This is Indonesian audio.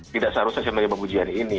tidak seharusnya saya memiliki pengujian ini